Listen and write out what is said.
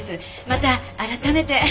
また改めて。